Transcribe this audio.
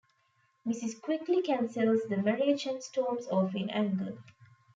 Mrs. Quickly cancels the marriage and storms off in anger.